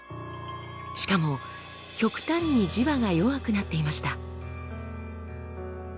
しかも極端に磁場が弱くなっていました。